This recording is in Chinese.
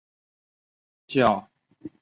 教育效益学的宗旨是研究教育的效益。